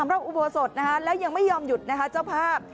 รอบอุโบสถแล้วยังไม่ยอมหยุดนะคะเจ้าภาพ